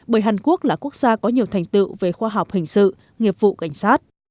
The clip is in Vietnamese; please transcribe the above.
bởi hàn quốc là quốc gia có nhiều thành tựu về khoa học hình sự nghiệp vụ cảnh sát